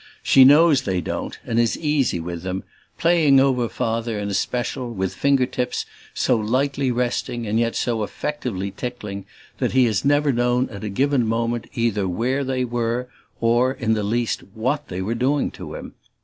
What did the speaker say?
She knows they don't and is easy with them; playing over Father in especial with finger tips so lightly resting and yet so effectively tickling, that he has never known at a given moment either where they were or, in the least, what they were doing to him.